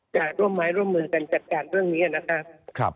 จะร่วมมือกันจัดการเรื่องนี้นะคะ